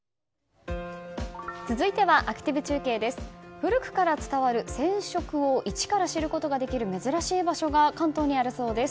古くから伝わる染織を一から知ることができる珍しい場所が関東にあるそうです。